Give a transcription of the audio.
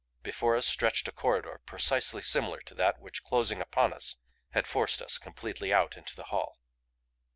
Before us stretched a corridor precisely similar to that which, closing upon us, had forced us completely out into the hall.